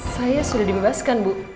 saya sudah dibebaskan bu